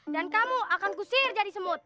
dan kamu akan kusihir jadi semut